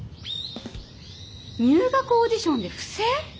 入学オーディションで不正？